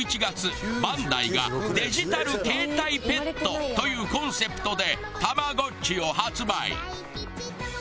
バンダイが「デジタル携帯ペット」というコンセプトでたまごっちを発売。